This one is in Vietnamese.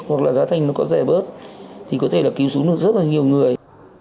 hoặc là giá thành nó có rẻ bớt thì có thể là cứu xuống được rất là nhiều người